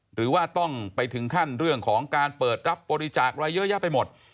หรือว่าต้องไปถึงขั้นเรื่องของการเปิดรับบริจาคอะไรเยอะแยะไปหมด